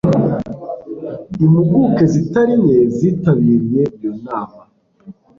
Impuguke zitari nke zitabiriye iyo nama.